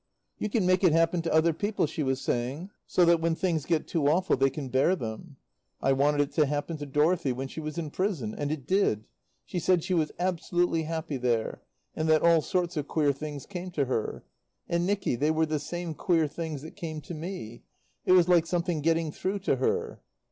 "You can make it happen to other people," she was saying; "so that when things get too awful they can bear them. I wanted it to happen to Dorothy when she was in prison, and it did. She said she was absolutely happy there; and that all sorts of queer things came to her. And, Nicky, they were the same queer things that came to me. It was like something getting through to her."